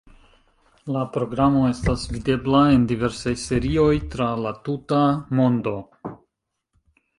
La programo estas videbla, en diversaj serioj, tra la tuta mondo.